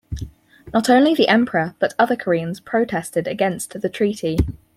Not only the Emperor but other Koreans protested against the Treaty.